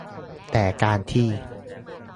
แต่การที่